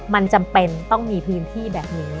มันจำเป็นต้องมีพื้นที่แบบนี้